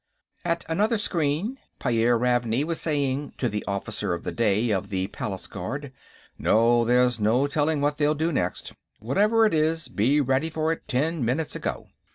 At another screen, Pyairr Ravney was saying, to the officer of the day of the Palace Guard: "No, there's no telling what they'll do next. Whatever it is, be ready for it ten minutes ago."